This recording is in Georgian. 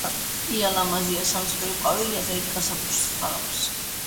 ია ლამაზი იასამისფერი ყვავილა იგი გაზაფხულში ხარობს